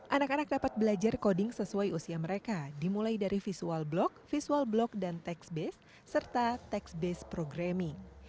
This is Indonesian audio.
anak anak dapat belajar koding sesuai usia mereka dimulai dari visual block visual block dan text based serta text based programming